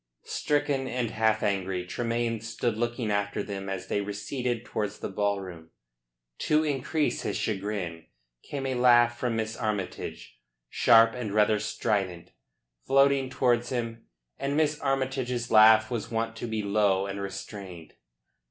Stricken and half angry, Tremayne stood looking after them as they receded towards the ballroom. To increase his chagrin came a laugh from Miss Armytage, sharp and rather strident, floating towards him, and Miss Armytage's laugh was wont to be low and restrained.